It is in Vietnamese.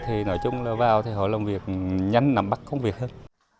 thì nói chung là vào thì họ làm việc nhanh nắm bắt công việc hơn